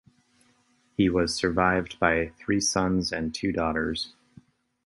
He was survived by three sons and two daughters.